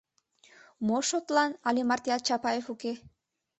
Мо шотлан але мартеат Чапаев уке?